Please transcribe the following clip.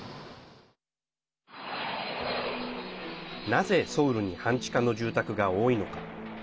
なぜソウルに半地下の住宅が多いのか。